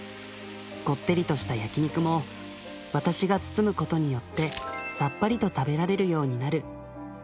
こってりとした焼き肉も私が包むことによってさっぱりと食べられるようになる。